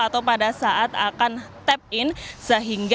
atau pada saat akan tap in sehingga